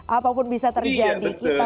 apapun bisa terjadi kita